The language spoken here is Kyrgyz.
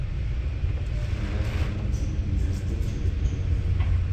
Мындай мүмкүнчүлүк дүйнөнүн көп жеринде жок.